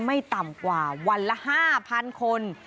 ไม่ต่ำกว่าวันละ๕๐๐๐คน